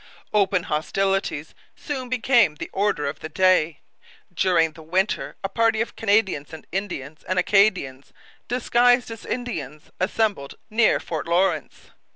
Open hostilities soon became the order of the day. During the winter a party of Canadians and Indians and Acadians disguised as Indians assembled near Fort Lawrence.